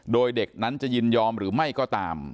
โดยเด็กนั้นจะยินยอมหรือไม่ก็ตาม